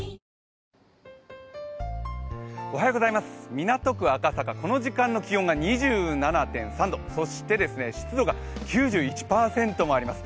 港区赤坂、この時間が２７．３度、そして湿度が９１％もあります。